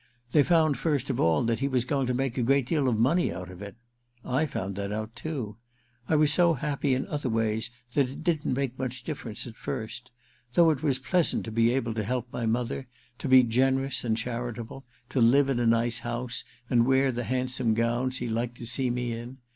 They found first of all that he was going to make a great deal of money out of it. I found that out too. I was so happy in other ways that it didn't make much difference at first ; though it was pleasant to be able to help my mother, to be generous and charitable, to live in a nice house, and wear the Ill THE QUICKSAND 307 handsome gowns he liked to see me in.